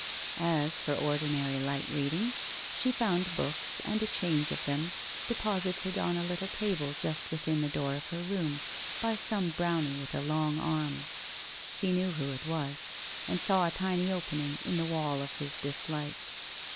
As for ordinary light reading, she found books and a change of them, deposited on a little table just within the door of her room by some Brownie with a long arm. She knew who it was, and saw a tiny opening in the wall of his dislike.